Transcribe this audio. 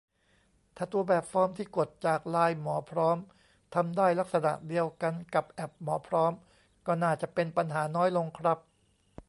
ถ้าตัวแบบฟอร์มที่กดจากไลน์หมอพร้อม ทำได้ลักษณะเดียวกันกับแอปหมอพร้อม ก็น่าจะเป็นปัญหาน้อยลงครับ